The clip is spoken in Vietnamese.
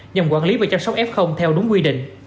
nhằm quản lý và chăm sóc f theo đúng quy định